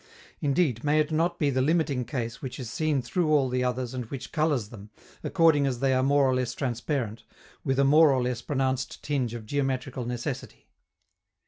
Indeed, may it not be the limiting case which is seen through all the others and which colors them, accordingly as they are more or less transparent, with a more or less pronounced tinge of geometrical necessity?